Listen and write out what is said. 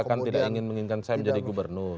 mereka kan tidak ingin menginginkan saya menjadi gubernur